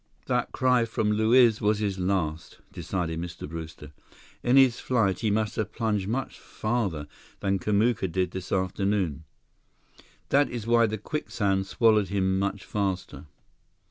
"That cry from Luiz was his last," decided Mr. Brewster. "In his flight, he must have plunged much farther than Kamuka did this afternoon. That is why the quicksand swallowed him much faster."